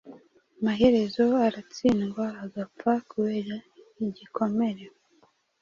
Amaherezo aratsindwa agapfa kubera igikomere